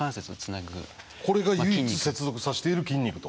これが唯一接続させている筋肉と。